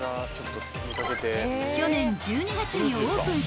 ［去年１２月にオープンしたばかり］